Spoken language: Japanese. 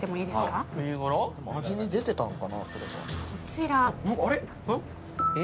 味に出てたのかな？